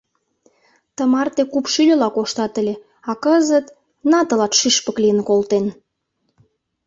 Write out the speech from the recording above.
Тымарте купшӱльыла коштат ыле, а кызыт — на тылат шӱшпык лийын колтен!